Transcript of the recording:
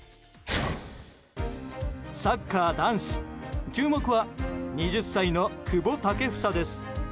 サッカー男子注目は２０歳の久保建英です。